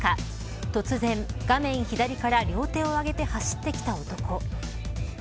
突然、画面左から両手を上げて走って来た男。